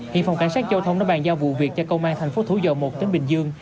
hiện phòng cảnh sát giao thông đã bàn giao vụ việc cho công an thành phố thủ dầu một tỉnh bình dương